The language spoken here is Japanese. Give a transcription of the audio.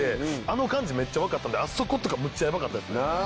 あの感じめっちゃ分かったんであそことかめっちゃヤバかったですね。